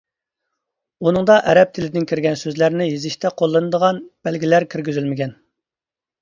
ئۇنىڭدا ئەرەب تىلىدىن كىرگەن سۆزلەرنى يېزىشتا قوللىنىلىدىغان بەلگىلەر كىرگۈزۈلمىگەن.